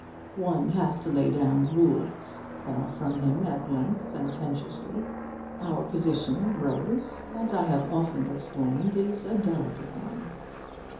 'One has to lay down rules,' fell from him at length, sententiously. 'Our position, Rose, as I have often explained, is a delicate one.